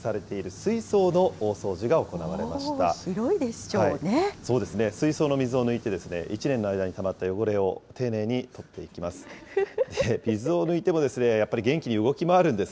水槽の水を抜いて、１年の間にたまった汚れを丁寧に取っていきます。